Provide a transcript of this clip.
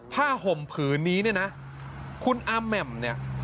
ห่มผืนนี้เนี่ยนะคุณอาแหม่มเนี่ย